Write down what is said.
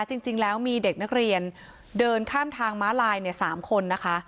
จริงแล้วมีเด็กนักเรียนเดินข้ามทางม้าลาย๓คนนะคะ